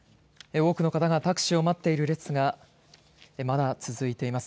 多くの方がタクシーを待っている列がまだ続いています。